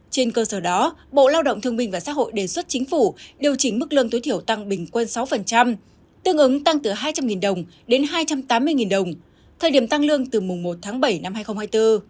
trên cơ sở đó bộ lao động thương minh và xã hội đề xuất chính phủ điều chỉnh mức lương tối thiểu tăng bình quân sáu tương ứng tăng từ hai trăm linh đồng đến hai trăm tám mươi đồng thời điểm tăng lương từ mùng một tháng bảy năm hai nghìn hai mươi bốn